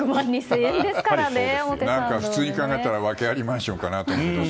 普通に考えたら訳ありマンションかなと思っても